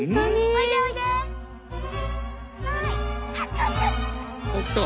おいでおいで。来た。